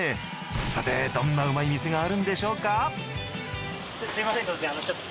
さてどんなうまい店があるんでしょうか。